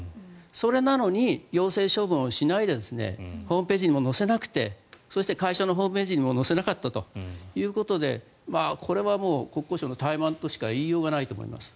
それなのに行政処分をしないでホームページにも載せなくてそして会社のホームページにも載せなかったということでこれはもう、国交省の怠慢としか言いようがないと思います。